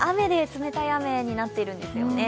冷たい雨になっているんですよね。